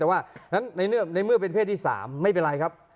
แต่ว่าในเมื่อเป็นเพศที่๓ไม่เป็นไรครับ